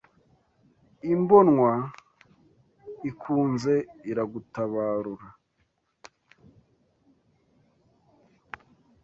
Imbonwa ikunze iragutabarura